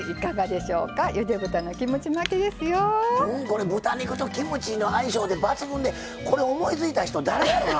これ豚肉とキムチの相性で抜群でこれ思いついた人誰やろな？